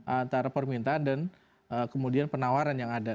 antara permintaan dan kemudian penawaran yang ada